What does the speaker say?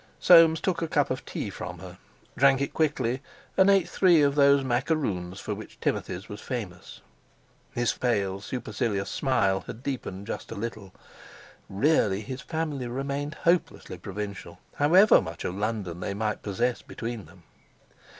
Soames took a cup of tea from her, drank it quickly, and ate three of those macaroons for which Timothy's was famous. His faint, pale, supercilious smile had deepened just a little. Really, his family remained hopelessly provincial, however much of London they might possess between them.